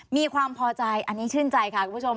มีความพอใจอันนี้ชื่นใจค่ะคุณผู้ชม